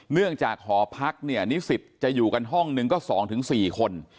เนื่องจากหอพักเนี่ยนิสิตจะอยู่กันห้องหนึ่งก็๒๔คน